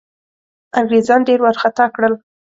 انګرېزان ډېر وارخطا کړل.